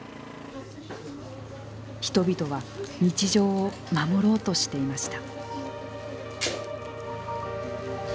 人々は日常を守ろうとしていました。